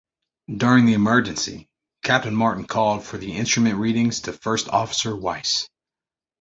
During the emergency, Captain Martin called for the instrument readings to First Officer Weiss.